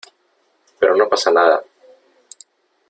pero no pasa nada .